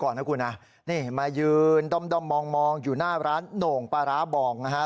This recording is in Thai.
ก่อนนะคุณนะนี่มายืนด้อมมองอยู่หน้าร้านโหน่งปลาร้าบองนะฮะ